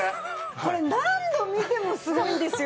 これ何度見てもすごいんですよ。